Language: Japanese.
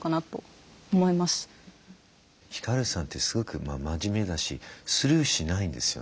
ひかるさんってすごく真面目だしスルーしないんですよね。